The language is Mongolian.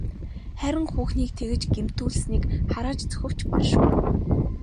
Хайран хүүхнийг тэгж гэмтүүлснийг харааж зүхэвч баршгүй.